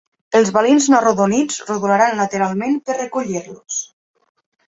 Els balins no arrodonits rodolaran lateralment per recollir-los.